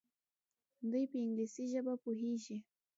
دوی په انګلیسي ژبه پوهیږي.